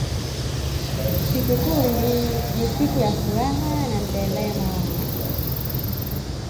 Sikukuu ni siku ya furaha na nderemo